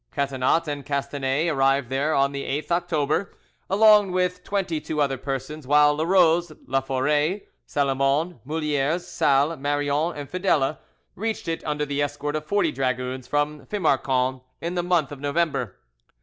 Catinat and Castanet arrived there on the 8th October, along with twenty two other persons, while Larose, Laforet, Salomon, Moulieres, Salles, Marion, and Fidele reached it under the escort of forty dragoons from Fimarcon in the month of November.